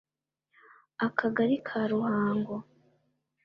Akagari ka Ruhango